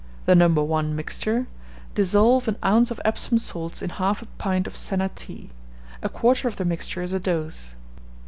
The No. 1 mixture: Dissolve an ounce of Epsom salts in half a pint of senna tea. A quarter of the mixture is a dose.)